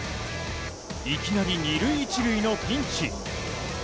いきなり２塁１塁のピンチ。